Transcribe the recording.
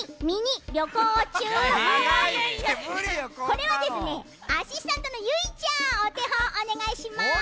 これはですねアシスタントのゆいちゃんおてほんおねがいします。